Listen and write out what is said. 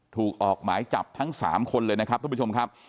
ออกหมายจับทั้ง๓คนเลยนะครับทุกผู้ชมครับ